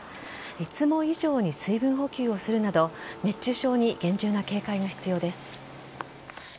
いつも以上に水分補給をするなど熱中症に厳重な警戒が必要です。